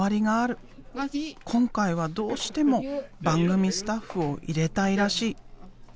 今回はどうしても番組スタッフを入れたいらしい。